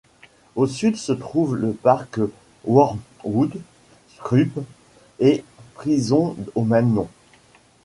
Au sud se trouve le parc Wormwood Scrubs et prison au même nom.